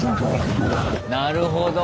なるほど。